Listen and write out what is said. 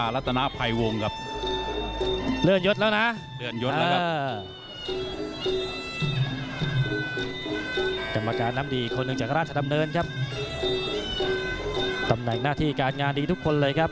และเรื่องราวของศรัพท์แม่ไม้มวยไทยครับ